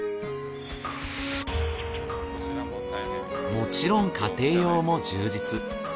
もちろん家庭用も充実。